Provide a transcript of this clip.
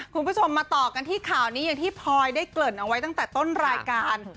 คุณผู้ชมมาต่อกันที่ข่าวนี้อย่างที่พลอยได้เกริ่นเอาไว้ตั้งแต่ต้นรายการ